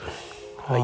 はい。